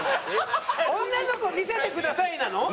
女の子見せてくださいなの？